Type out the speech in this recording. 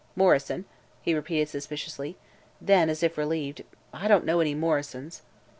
Morrison?" he repeated suspiciously. Then, as if relieved: "I don't know any Morrisons."